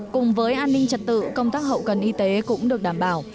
cùng với an ninh trật tự công tác hậu cần y tế cũng được đảm bảo